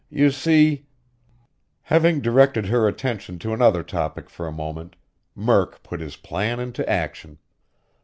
You see " Having directed her attention to another topic for a moment, Murk put his plan into action.